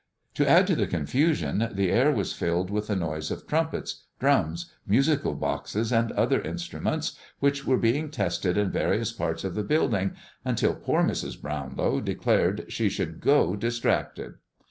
To add to the confusion, the air was filled with the noise of trumpets, drums, musical boxes and other instruments, which were being tested in various parts of the building, until poor Mrs. Brownlow declared she should go distracted.